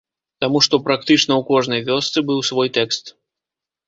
Таму што практычна ў кожнай вёсцы быў свой тэкст.